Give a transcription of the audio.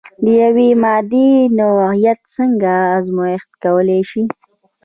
د یوې مادې نوعیت څنګه ازميښت کولی شئ؟